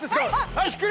はい！